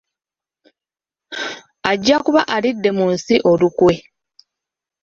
ajja kuba alidde mu nsi olukwe.